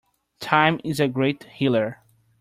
Time is a great healer.